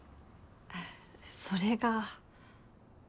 それが。